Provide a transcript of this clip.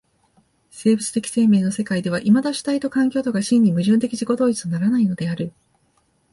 生物的生命の世界ではいまだ主体と環境とが真に矛盾的自己同一とならないのである。